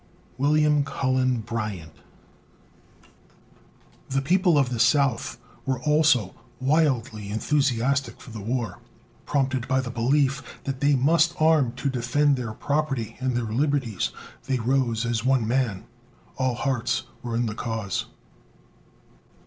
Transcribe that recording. WILLIAM CULLEN BRYANT. The people of the South were also wildly enthusiastic for the war. Prompted by the belief that they must arm to defend their property and their liberties, they rose as one man. All hearts were in the cause.